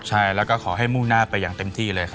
ใช่แล้วก็ขอให้มุ่งหน้าไปอย่างเต็มที่เลยครับ